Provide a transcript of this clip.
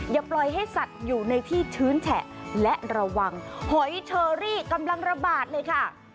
อย่าปล่อยให้สัตว์อยู่ในที่ชื้นแฉะและระวังหอยเชอรี่กำลังระบาดเลยค่ะ